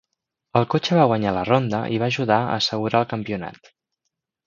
El cotxe va guanyar la ronda i va ajudar a assegurar el campionat.